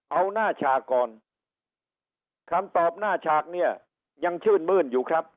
เอาหน้าฉากก่อนคำตอบหน้าฉากเนี่ยยังชื่นมื้นอยู่ครับ